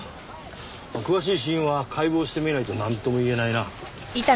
詳しい死因は解剖してみないとなんとも言えないな。